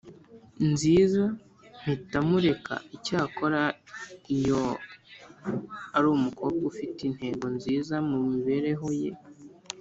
nziza mpita mureka Icyakora iyo ari umukobwa ufite intego nziza mu mibereho ye